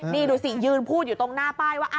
นี่ดูสิยืนพูดอยู่ตรงหน้าป้ายว่า